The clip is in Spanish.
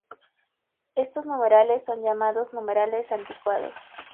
Estos numerales son llamados numerales anticuados.